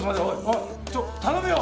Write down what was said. おいちょ頼むよ！